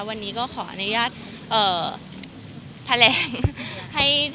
วันนี้ก็ขออนุญาตเอ่อพลัง